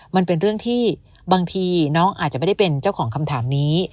มันเป็นเรื่องที่บางทีน้องอาจจะไม่ได้เป็นเจ้าของคำถามนี้